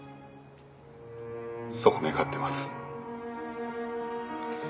そう願ってます。